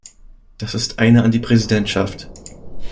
Das ist eine an die Präsidentschaft.